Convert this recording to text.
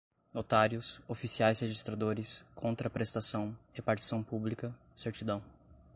notários, oficiais registradores, contraprestação, repartição pública, certidão